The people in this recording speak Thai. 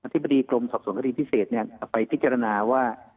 ธิบดีกรมสอบสวนคดีพิเศษไปพิจารณาว่า